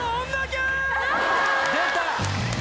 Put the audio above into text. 出た！